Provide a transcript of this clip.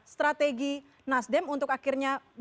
strategi nasdem untuk akhirnya bisa mengupayakan